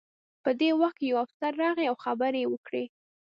په دې وخت کې یو افسر راغی او خبرې یې وکړې